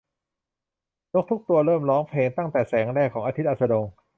นกทุกตัวเริ่มร้องเพลงตั้งแต่แสงแรกของอาทิตย์อัสดง